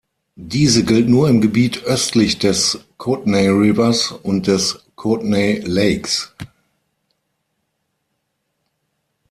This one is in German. Diese gilt nur im Gebiet östlich des Kootenay Rivers und des Kootenay Lakes.